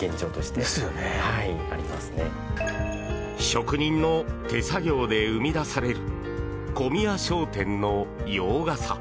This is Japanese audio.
職人の手作業で生み出される小宮商店の洋傘。